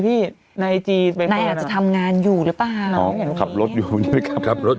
พี่นายอาจจะทำงานอยู่หรือเปล่าอ๋อขับรถอยู่ขับรถ